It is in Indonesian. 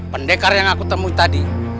pendekar yang aku temui tadi